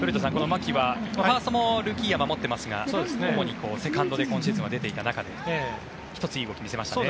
牧はファーストもルーキーイヤー守っていますが主にセカンドで今シーズンは出ていた中で１つ、いい動きを見せましたね。